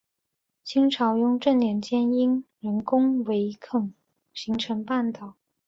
清朝雍正年间因人工围垦形成半岛。